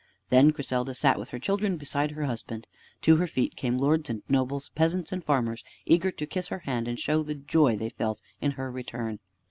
Then Griselda sat with her children beside her husband. To her feet came lords and nobles, peasants and farmers, eager to kiss her hand and to show the joy they felt in her return.